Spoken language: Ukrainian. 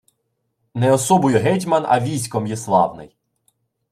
Не особою гетьман, а військом є славний